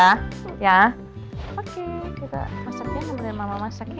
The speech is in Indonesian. oke kita masak ya nemenin mama masak ya